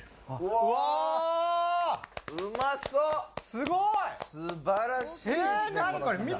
すごい！素晴らしいですね。